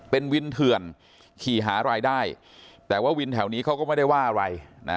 เป็นวินเถื่อนขี่หารายได้แต่ว่าวินแถวนี้เขาก็ไม่ได้ว่าอะไรนะ